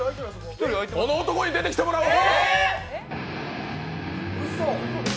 この男に出てきてもらおう。